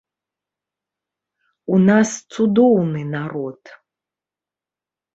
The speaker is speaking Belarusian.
У нас цудоўны народ.